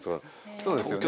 そうですよね。